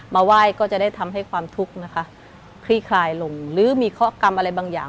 มาไหว้ก็จะได้ทำให้ความทุกข์นะคะคลี่คลายลงหรือมีเคราะหกรรมอะไรบางอย่าง